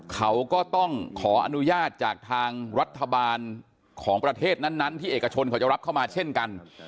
เขาก็ต้องขออนุญาตจากทางรัฐบาลของประเทศนั้นที่เอกชนเขาจะรับเข้ามาเช่นกัน